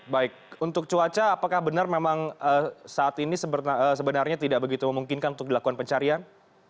baik untuk cuaca apakah benar memang saat ini sebenarnya tidak begitu memungkinkan untuk dilakukan pencarian